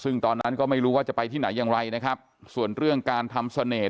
ซึ่งตอนนั้นก็ไม่รู้ว่าจะไปที่ไหนอย่างไรนะครับส่วนเรื่องการทำเสน่ห